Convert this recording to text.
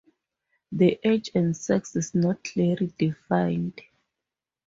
The age and sex is not clearly defined.